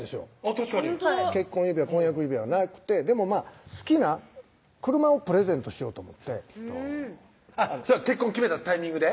確かに結婚指輪・婚約指輪なくてでも好きな車をプレゼントしようと思ってそれは結婚決めたタイミングで？